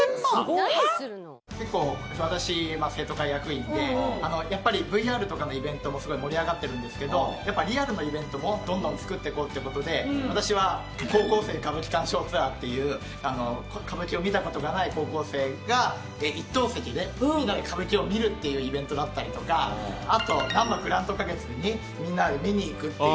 私生徒会役員でやっぱりＶＲとかのイベントもすごい盛り上がってるんですけどやっぱリアルなイベントもどんどん作っていこうって事で私は高校生歌舞伎鑑賞ツアーっていう歌舞伎を見た事がない高校生が一等席でみんなで歌舞伎を見るっていうイベントだったりとかあとなんばグランド花月にみんなで見に行くっていう。